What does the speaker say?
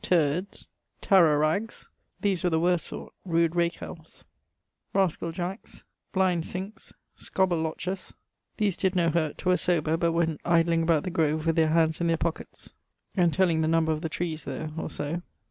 Turds, Tarrarags (these were the worst sort, rude rakells), Rascal Jacks, Blindcinques, Scobberlotchers (these did no hurt, were sober, but went idleing about the grove with their hands in their pocketts, and telling the number of the trees there, or so).